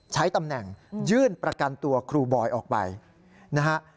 ใช้ตำแหน่งยื่นประกันตัวครูบอยออกไปนะฮะ